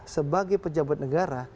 sebagai pejabat negara